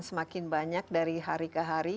semakin banyak dari hari ke hari